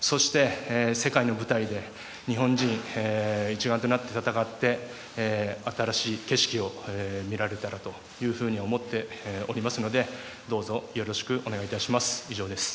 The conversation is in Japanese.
そして世界の舞台で日本人一丸となって戦って新しい景色を見られたらというふうに思っておりますのでどうぞよろしくお願いいたします。